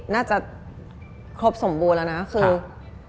น่าจะครบสมบูรณ์อีกครับ